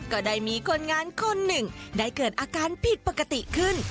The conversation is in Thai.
ก็ได้มีคนงานคนหนึ่งได้เกิดอาการผิดปกติขึ้น